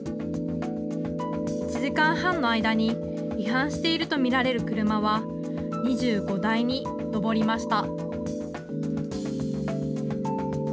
１時間半の間に違反していると見られる車は２５台に上りました。